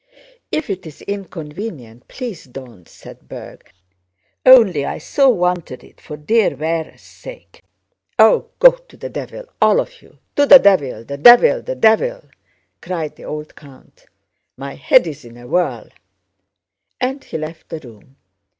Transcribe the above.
"If it's inconvenient, please don't," said Berg. "Only I so wanted it, for dear Véra's sake." "Oh, go to the devil, all of you! To the devil, the devil, the devil..." cried the old count. "My head's in a whirl!" And he left the room.